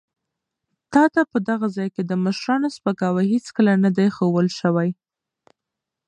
تا ته په دغه ځای کې د مشرانو سپکاوی هېڅکله نه دی ښوول شوی.